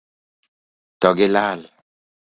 To gi lal.